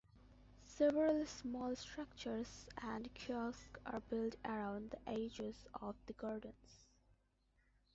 Several small structures and kiosks are built around the edges of the gardens.